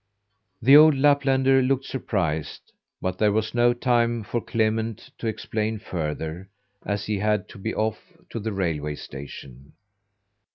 The old Laplander looked surprised, but there was no time for Clement to explain further, as he had to be off to the railway station.